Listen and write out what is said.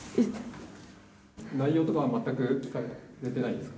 内容とかは全く聞かれてないですか？